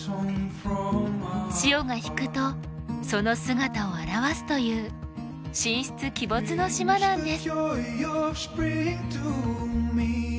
潮が引くとその姿を現すという神出鬼没の島なんです。